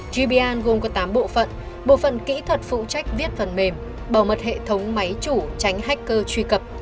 gb gồm có tám bộ phận bộ phần kỹ thuật phụ trách viết phần mềm bảo mật hệ thống máy chủ tránh hacker truy cập